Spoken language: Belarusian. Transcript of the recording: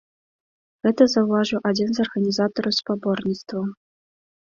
Гэта заўважыў адзін з арганізатараў спаборніцтваў.